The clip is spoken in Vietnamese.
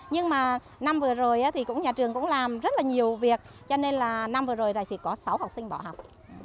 nhưng mà năm vừa rồi thì cũng nhà trường cũng làm rất là nhiều việc cho nên là năm vừa rồi này thì có sáu học sinh bỏ học